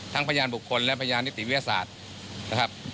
ทั้งพระยาญบุคคลและพระยาญนิติวิทยาศาสตร์นะครับ